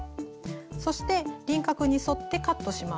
そして輪郭に沿ってカットします。